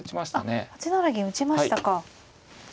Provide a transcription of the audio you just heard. あっ８七銀打ちましたか。